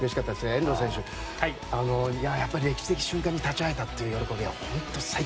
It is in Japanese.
遠藤選手、やっぱり歴史的瞬間に立ち会えたという喜びが。